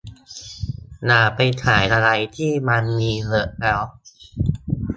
อย่าไปขายอะไรที่มันมีเยอะแล้ว